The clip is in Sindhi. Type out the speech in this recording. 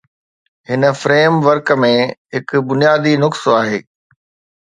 هن فريم ورڪ ۾ هڪ بنيادي نقص آهي.